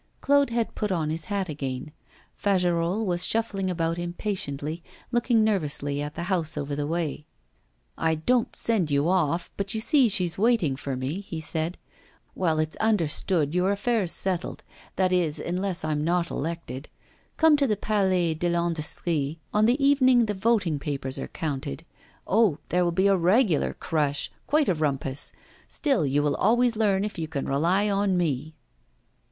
Claude had put on his hat again. Fagerolles was shuffling about impatiently, looking nervously at the house over the way. 'I don't send you off, but you see she's waiting for me,' he said, 'Well, it's understood, your affair's settled that is, unless I'm not elected. Come to the Palais de l'Industrie on the evening the voting papers are counted. Oh! there will be a regular crush, quite a rumpus! Still, you will always learn if you can rely on me.